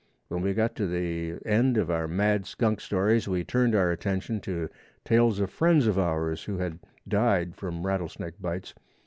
When we got to the end of our mad skunk stories we turned our attention to tales of friends of ours who had died from rattlesnake bites.